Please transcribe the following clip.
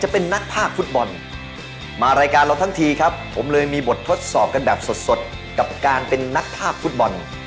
ผมเลยมีบททดสอบกันแบบสดกับการเป็นนักภาพฟุตบอล